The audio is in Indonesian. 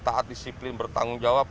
taat disiplin bertanggung jawab